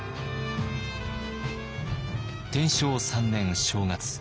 天正３年正月。